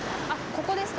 ここですか？